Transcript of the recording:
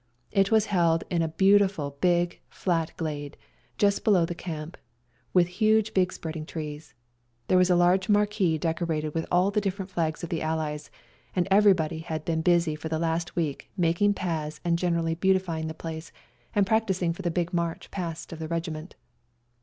It was held in a beautiful big, flat glade, just below the camp, with huge big spread ing trees. There was a large marquee decorated with all the different flags of the Allies, and everybody had been busy for the last week making paths and gene 234 " SLAVA DAY " rally beautifying the place, and practising for the big march past of the regiment.